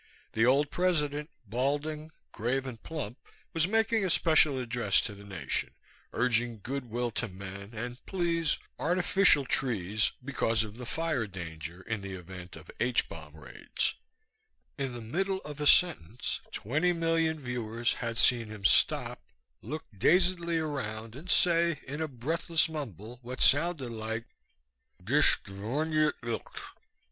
The old President, balding, grave and plump, was making a special address to the nation, urging good will to men and, please, artificial trees because of the fire danger in the event of H bomb raids; in the middle of a sentence twenty million viewers had seen him stop, look dazedly around and say, in a breathless mumble, what sounded like: "Disht dvornyet ilgt."